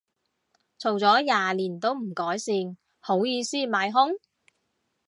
嘈咗廿年都唔改善，好意思買兇